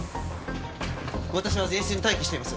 私は前室に待機しています